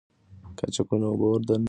قاچوغه اوبه ور دننه کوي.